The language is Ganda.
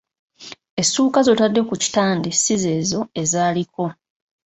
Essuuka z'otadde ku kitande si zezo ezaaliko.